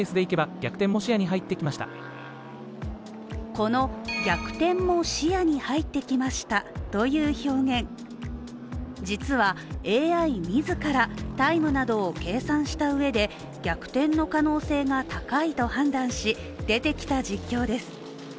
この「逆転も視野に入ってきました」という表現、実は、ＡＩ自ら、タイムなどを計算したうえで逆転の可能性が高いと判断し、出てきた実況です。